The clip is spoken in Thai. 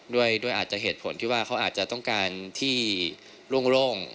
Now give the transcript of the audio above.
ด้วยอาจจะเหตุผลที่ว่าเขาอาจจะต้องการที่โล่ง